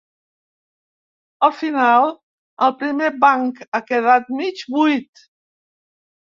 Al final, el primer banc ha quedat mig buit.